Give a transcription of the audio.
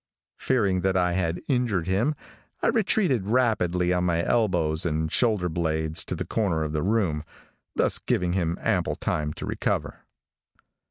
Fearing that I had injured him, I retreated rapidly on my elbows and shoulder blades to the corner of the room, thus giving him ample time to recover.